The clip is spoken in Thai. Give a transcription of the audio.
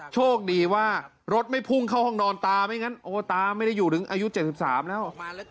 โชคดีว่ารถไม่พุ่งเข้าห้องนอนตาไม่งั้นโอ้ตาไม่ได้อยู่ถึงอายุ๗๓แล้ว